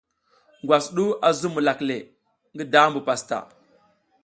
Ngwas du a zuɓ milak le, ngi dambu pastaʼa.